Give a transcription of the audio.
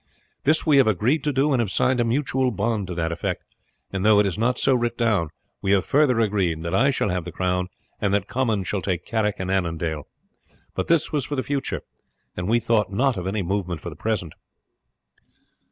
This we have agreed to, and have signed a mutual bond to that effect, and though it is not so writ down we have further agreed that I shall have the crown and that Comyn shall take Carrick and Annandale; but this was for the future, and we thought not of any movement for the present."